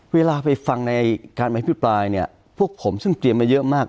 เวลาไปฟังในการอภิปรายเนี่ยพวกผมซึ่งเตรียมมาเยอะมาก